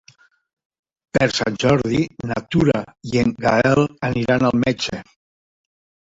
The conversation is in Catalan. Per Sant Jordi na Tura i en Gaël aniran al metge.